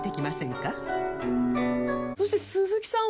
そして鈴木さんは。